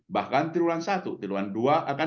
bahkan tiruan satu tiruan dua akan